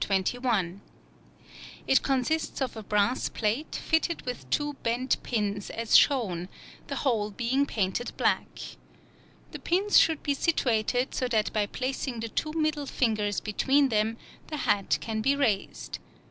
21. It consists of a brass plate fitted with two bent pins as shown, the whole being painted black. The pins should be situated so that by placing the two middle fingers between them the hat can be raised.